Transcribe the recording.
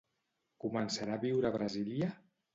Començarà a viure a Brasília?